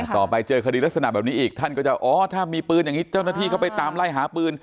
ต่อไปเจอคดีลักษณะแบบนี้อีกท่านก็จะอ๋อถ้ามีปืนอย่างนี้เจ้าหน้าที่เข้าไปตามไล่หาปืน